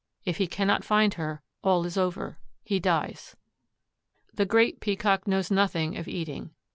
If he cannot find her, all is over. He dies. The Great Peacock knows nothing of eating.